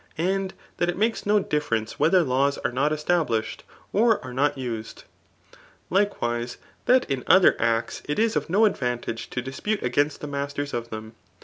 And that it makes no differenq» whether laws are not established, or are not used. Like* wis^ tbat m other acts it is of no advantage to dispuMi against the masters of them.